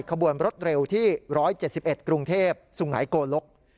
ขบวนรถเร็วที่๑๗๑กรุงเทพสุงหายโกลก